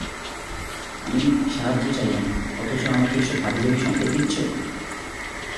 আমি সাহায্য চাইলাম, অথচ আমাকে এসব হাবিজাবি সংকেত দিচ্ছো!